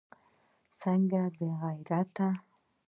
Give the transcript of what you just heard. څنگه بې غيرتي.